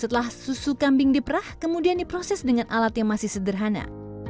setelah susu kambing diperah kemudian diproses dengan alat yang masih sederhana